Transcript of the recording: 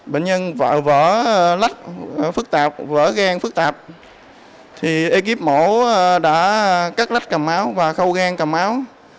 bệnh nhân vỡ lách phức tạp vỡ gan phức tạp thì ekip mổ đã cắt lách cầm máu và khâu gan cầm máu